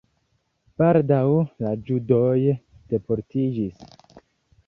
Baldaŭ la judoj deportiĝis.